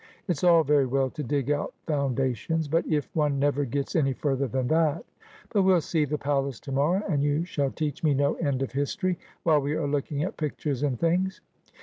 It's all very well to dig out foundations, but if one never gets any further than that ! But we'll see the palace to morrow, and you shall teach me no end of history while we are looking at pictures and things.'